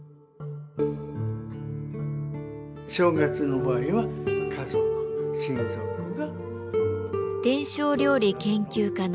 正月の場合は家族親族が。